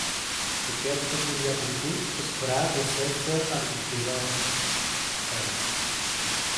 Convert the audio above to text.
Aquest peculiar concurs es farà de setze a vint-i-dos h.